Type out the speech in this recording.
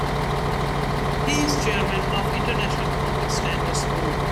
He is chairman of the International Accounting Standards Board.